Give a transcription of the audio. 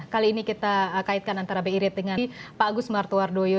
kali ini kita kaitkan antara bi rate dengan pak agus martowardoyo